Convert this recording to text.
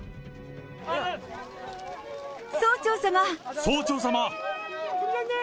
総長様。